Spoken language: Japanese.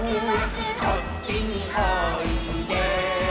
「こっちにおいで」